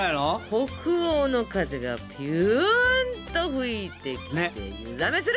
北欧の風がピュンと吹いてきて湯冷めする！